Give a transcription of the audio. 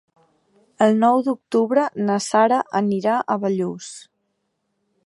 El nou d'octubre na Sara anirà a Bellús.